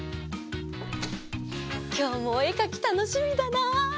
きょうもおえかきたのしみだな！